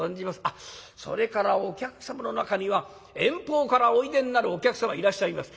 あっそれからお客様の中には遠方からおいでになるお客様いらっしゃいます。